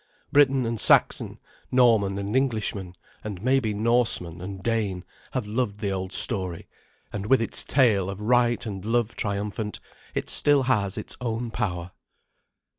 Briton and Saxon, Norman and Englishman, and maybe Norseman and Dane, have loved the old story, and with its tale of right and love triumphant it still has its own power.